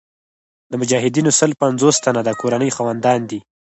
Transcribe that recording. د مجاهدینو سل پنځوس تنه د کورنۍ خاوندان دي.